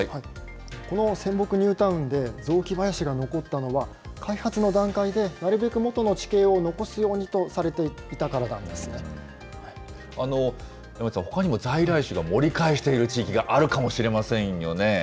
この泉北ニュータウンで雑木林が残ったのは、開発の段階でなるべく元の地形を残すようにとさ山内さん、ほかにも在来種が盛り返している地域があるかもしれませんよね。